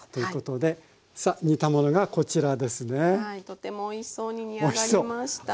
とてもおいしそうに煮上がりました。